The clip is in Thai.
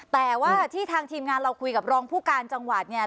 แต่ว่าที่ทางทีมงานเราคุยกับรองผู้การจังหวัดเนี่ย